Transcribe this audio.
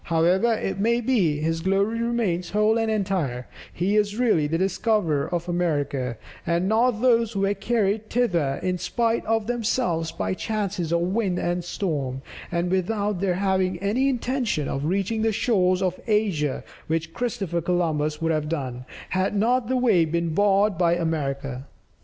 However it may be, his glory remains whole and entire; he is really the discoverer of America, and not those who were carried thither in spite of themselves by chances of wind and storm, without their having any intention of reaching the shores of Asia, which Christopher Columbus would have done, had not the way been barred by America.